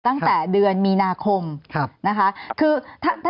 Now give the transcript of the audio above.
ตั้งแต่เมืองประกอบมีนาคม